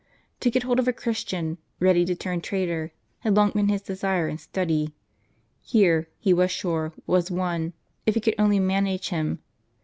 To get hold of a Christian, ready to turn traitor, had long been his desire and study. Here, he was sure, was one, if he could only manage him.